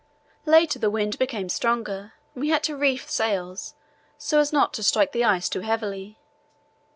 Later the wind became stronger and we had to reef sails, so as not to strike the ice too heavily.